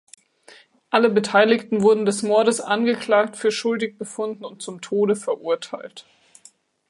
Alle Beteiligten wurden des Mordes angeklagt, für schuldig befunden und zum Tode verurteilt.